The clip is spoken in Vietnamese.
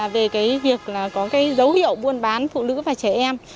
về việc có dấu hiệu buôn bán phụ nữ và trẻ em